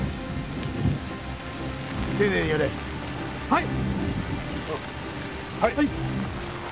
はい！